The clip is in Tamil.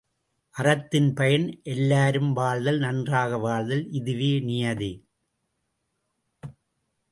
அறத்தின் பயன் எல்லாரும் வாழ்தல் நன்றாக வாழ்தல், இதுவே நியதி.